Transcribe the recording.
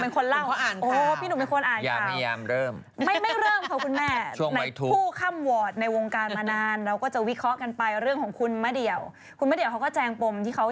เขาบอกอย่างนี้ผมจะถามคุณด้วยปุชชา